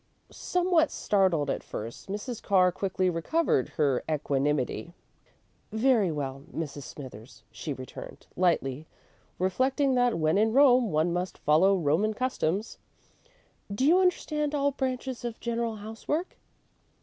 '" Somewhat startled at first, Mrs. Carr quickly recovered her equanimity. "Very well, Mrs. Smithers," she returned, lightly, reflecting that when in Rome one must follow Roman customs; "Do you understand all branches of general housework?"